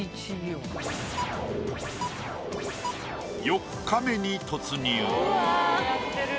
４日目に突入。